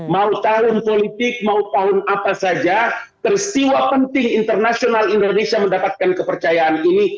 mau tahun politik mau tahun apa saja tersiwa penting internasional indonesia mendapatkan kepercayaan ini